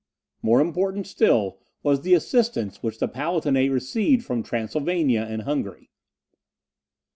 More important still was the assistance which the Palatinate received from Transylvania and Hungary.